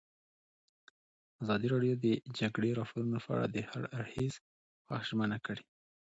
ازادي راډیو د د جګړې راپورونه په اړه د هر اړخیز پوښښ ژمنه کړې.